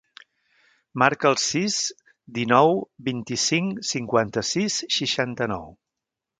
Marca el sis, dinou, vint-i-cinc, cinquanta-sis, seixanta-nou.